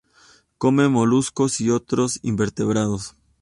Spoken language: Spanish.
Come moluscos y otros invertebrados.